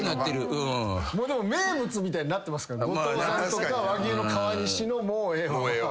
でも名物みたいになってますから後藤さんとか和牛の川西の「もうええわ」は。